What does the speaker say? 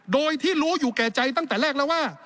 โดยที่รู้อยู่แก่ใจตั้งแต่แรกแล้วว่า